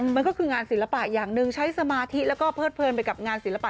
มันก็คืองานศิลปะอย่างหนึ่งใช้สมาธิแล้วก็เพิดเพลินไปกับงานศิลปะ